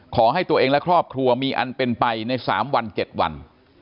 ขอให้ตัวเองและครอบครัวมีอันเป็นไปใน๓วัน๗วัน